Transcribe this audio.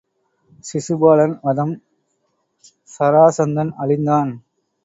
சிசுபாலன் வதம் சராசந்தன் அழிந்தான்.